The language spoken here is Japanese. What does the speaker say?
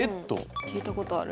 聞いたことある。